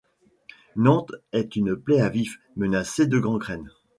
Nantes est une plaie à vif, menacée de gangrène.